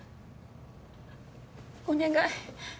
お願い